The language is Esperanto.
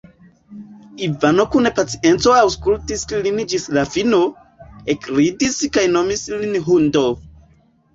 Ivano kun pacienco aŭskultis lin ĝis la fino, ekridis kaj nomis lin hundo.